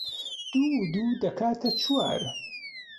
دوو و دوو دەکاتە چوار